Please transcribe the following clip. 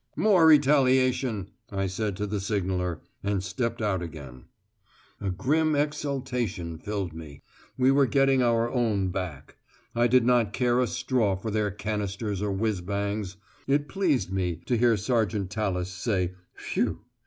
"More retaliation," I said to the signaller, and stepped out again. A grim exaltation filled me. We were getting our own back. I did not care a straw for their canisters or whizz bangs. It pleased me to hear Sergeant Tallis say "Phew."